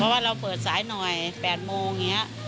เพราะว่าเราเปิดสายหน่อย๘โมง